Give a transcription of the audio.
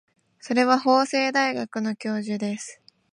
それは法政大学の教授です。